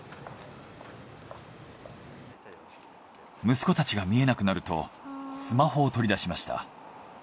息子たちが見えなくなるとスマホを取り出しました。